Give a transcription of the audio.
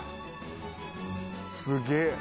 「すげえ」